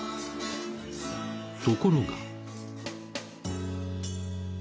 ［ところが］